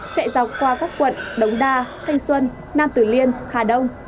chạy dọc qua các quận đống đa thanh xuân nam tử liêm hà đông